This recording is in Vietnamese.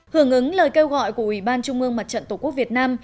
hưởng ứng lời kêu gọi của ủy ban trung ương mặt trận tổ quốc việt nam